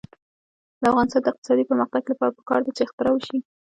د افغانستان د اقتصادي پرمختګ لپاره پکار ده چې اختراع وشي.